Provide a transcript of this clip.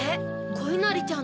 こいなりちゃん